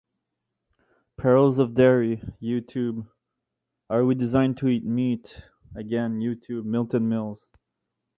The station was principally in service for the Upland–San Bernardino Line.